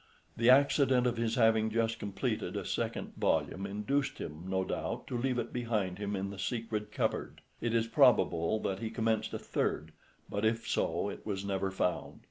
The accident of his having just completed a second volume, induced him, no doubt, to leave it behind him in the secret cupboard. It is probable that he commenced a third, but if so it was never found.